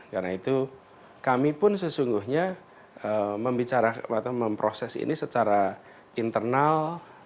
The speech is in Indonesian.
karena itu kami pun sesungguhnya memproses ini secara internal